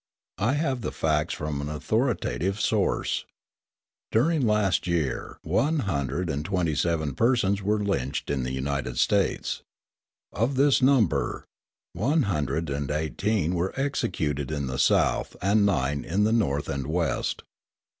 I have the facts from an authoritative source. During last year one hundred and twenty seven persons were lynched in the United States. Of this number, one hundred and eighteen were executed in the South and nine in the North and West.